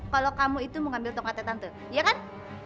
kalau kamu itu mau ambil tongkatnya tante iya kan